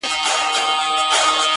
د صحت قدر رنځور پېژني -